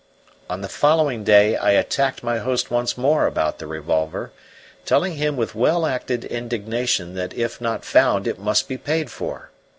On the following day I attacked my host once more about the revolver, telling him with well acted indignation that if not found it must be paid for.